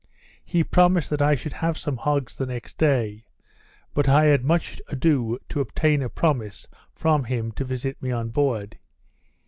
He promised that I should have some hogs the next day; but I had much ado to obtain a promise from him to visit me on board.